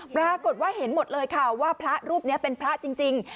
ปรากฏว่าเห็นหมดเลยค่ะว่าพระรูปนี้เป็นพระจริง